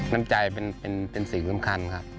น้ำใจเป็นสิ่งสำคัญครับ